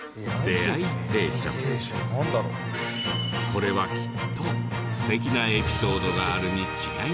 これはきっと素敵なエピソードがあるに違いない。